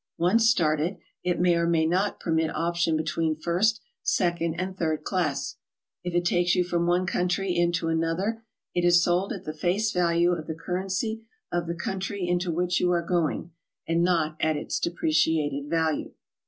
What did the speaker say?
Once started, it may or may not permit option between first, second and third class. If it takes you from one country into another, it is sold at the face value of the currency of the country into which you are going, and not at its depreciated value.